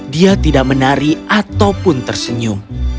dia tidak menari ataupun tersenyum